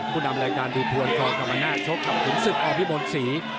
ผู้นำรายการดิพวนคอร์กับมนาธโชคกับฝุนศึกอร์พี่บนศรี